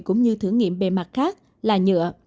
cũng như thử nghiệm bề mặt khác là nhựa